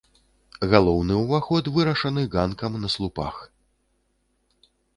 Галоўны ўваход вырашаны ганкам на слупах.